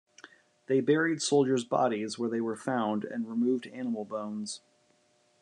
They buried soldiers' bodies where they were found and removed animal bones.